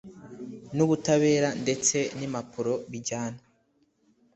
n'ubutabera ndetse n'impapuro bijyana